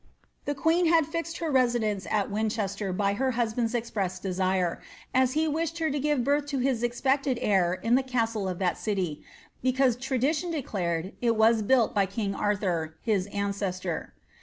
The queen had fixed her residence at Winchester by her husband express desire, as he wished her to give birth to his expected heir in th castle of that city, because tradition declared it was built by king Arthn his ancestor.